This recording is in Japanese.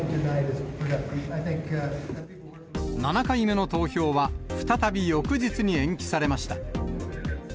７回目の投票は、再び翌日に延期されました。